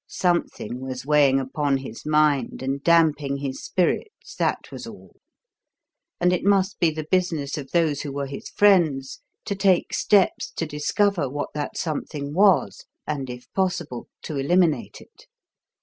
Something was weighing upon his mind and damping his spirits that was all; and it must be the business of those who were his friends to take steps to discover what that something was and, if possible, to eliminate it.